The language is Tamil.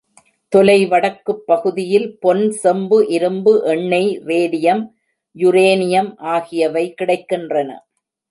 தொலை வடக்குப் பகுதியில் பொன், செம்பு, இரும்பு, எண்ணெய், ரேடியம், யுரேனியம் ஆகியவை கிடைக்கின்றன.